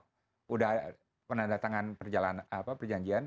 sudah penandatangan perjanjian